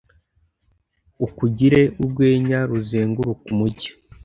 ukugire urwenya ruzenguruka umujyi